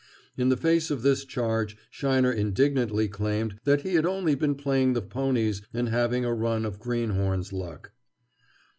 In the face of this charge Sheiner indignantly claimed that he had only been playing the ponies and having a run of greenhorn's luck.